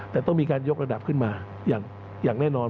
แต่ต้องมีการยกระดับขึ้นมาอย่างแน่นอน